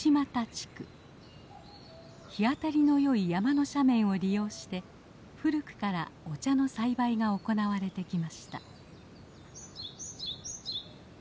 日当たりの良い山の斜面を利用して古くからお茶の栽培が行われてきました。